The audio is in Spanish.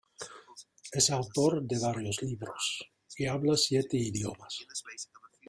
Es autor de varios libros y habla siete idiomas.